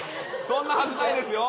そんなはずないですよ